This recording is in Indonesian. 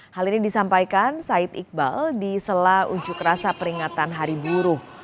hal ini disampaikan said iqbal di sela ujuk rasa peringatan hari buruh